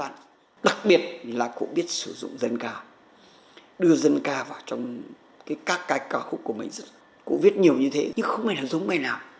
các ca khúc của mình cũng viết nhiều như thế nhưng không phải là giống bài nào